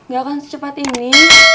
gak akan secepat ini